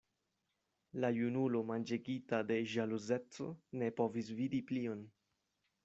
La junulo manĝegita de ĵaluzeco ne povis vidi plion.